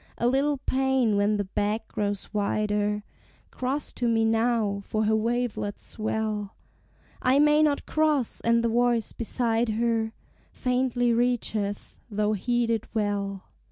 A little pain when the beck grows wider "Cross to me now, for her wavelets swell:" "I may not cross" and the voice beside her Faintly reacheth, though heeded well.